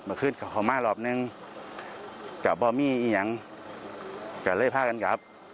เมื่อขึ้นเขามารอบหนึ่งกับบ่อมี่อียังกับเรยภาคอันกราฟ